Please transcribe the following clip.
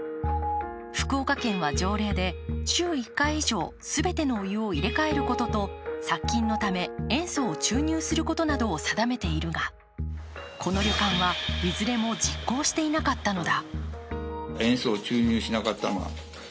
福岡県は条例で週１回以上全てのお湯を入れ替えることと殺菌のため、塩素を注入することなどを定めているが、この旅館は、いずれも実行していなかったのだ。